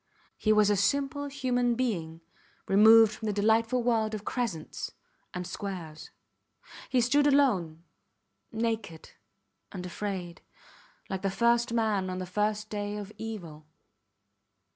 He was a simple human being removed from the delightful world of crescents and squares. He stood alone, naked and afraid, like the first man on the first day of evil.